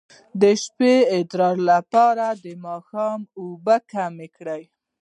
د شپې د ادرار لپاره د ماښام اوبه کمې کړئ